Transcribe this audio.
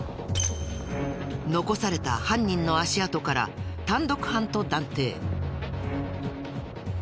残された犯人の足跡から単独犯と断定。